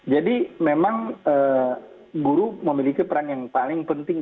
jadi memang guru memiliki peran yang paling penting